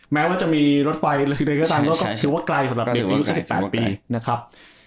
แม้ว่าจะมีรถไฟในกระทั่งก็คิดว่าไกลสำหรับเป็นวิวสิทธิ์๑๘ปีนะครับ